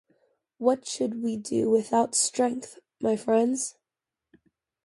What should we do without strength, my friends?